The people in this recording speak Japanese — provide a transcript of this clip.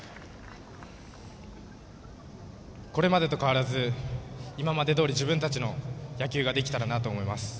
これまでと変わらず今までどおり自分たちの野球ができたらなと思います。